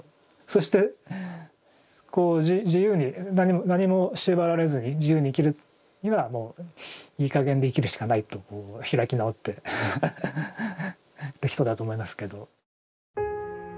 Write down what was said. そしてこう自由に何も縛られずに自由に生きるにはいいかげんで生きるしかないとこう開き直ってる人だと思いますけど。